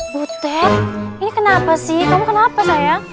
butet ini kenapa sih kamu kenapa sayang